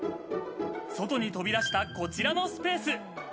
外に飛び出したこちらのスペース。